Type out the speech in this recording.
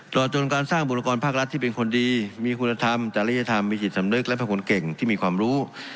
จนการสร้างบุรกรภาครัฐที่เป็นคนดีมีคุณธรรมจริยธรรมมีจิตสำนึกและเป็นคนเก่งที่มีความรู้